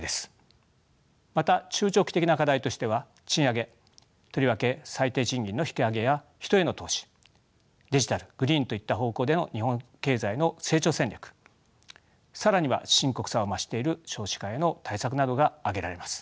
また中長期的な課題としては賃上げとりわけ最低賃金の引き上げや人への投資デジタルグリーンといった方向での日本経済の成長戦略更には深刻さを増している少子化への対策などが挙げられます。